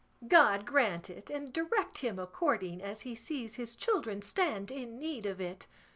God grant it, and direct him according as he sees his children stand in need of it.